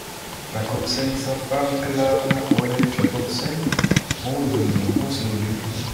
Jacobsen et sa femme, Klara Olette Jacobsen, ont deux enfants sur l'île.